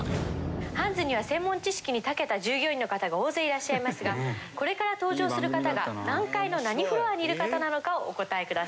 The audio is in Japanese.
「ハンズには専門知識にたけた従業員の方が大勢いらっしゃいますがこれから登場する方が何階の何フロアにいる方なのかをお答えください」